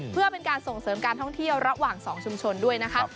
เพื่อเป็นการส่งเสริมการท่องเที่ยวระหว่าง๒ชุมชนด้วยนะคะ